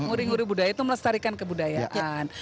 uri uri budaya itu melestarikan kebudayaan